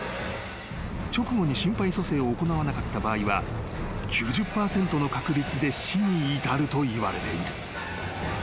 ［直後に心肺蘇生を行わなかった場合は９０％の確率で死に至るといわれている］